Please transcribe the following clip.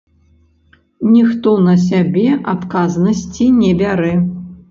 Ніхто на сябе адказнасці не бярэ.